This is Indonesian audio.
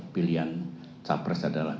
pilihan cawapres adalah